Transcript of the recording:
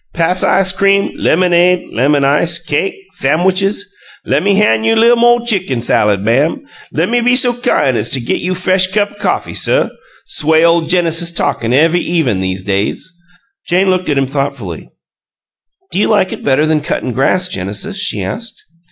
Pass ice cream, lemonade, lemon ice, cake, samwitches. 'Lemme han' you li'l' mo' chicken salad, ma'am' ' 'Low me be so kine as to git you f'esh cup coffee, suh' 'S way ole Genesis talkin' ev'y even' 'ese days!" Jane looked at him thoughtfully. "Do you like it better than cuttin' grass, Genesis?" she asked.